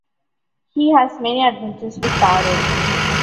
He has many adventures with Taro.